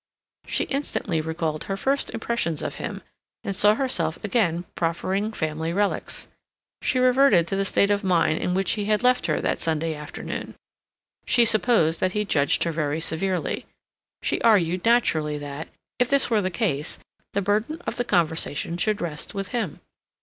She instantly recalled her first impressions of him, and saw herself again proffering family relics. She reverted to the state of mind in which he had left her that Sunday afternoon. She supposed that he judged her very severely. She argued naturally that, if this were the case, the burden of the conversation should rest with him.